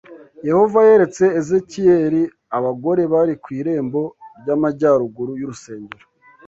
Yehova yeretse Ezekiyeli abagore bari ku irembo ry’amajyaruguru y’urusengero